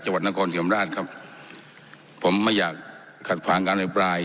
จังหวัดนครศรีธรรมราชครับผมไม่อยากขัดขวางการอภิปราย